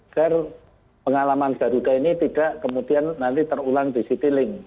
agar pengalaman garuda ini tidak kemudian nanti terulang di citylink